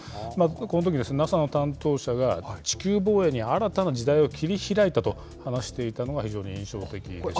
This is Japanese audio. このとき、ＮＡＳＡの担当者が地球防衛に新たな時代を切り開いたと話していたのが非常に印象的でしたね。